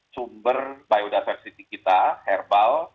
sumber biodata eksisi kita herbal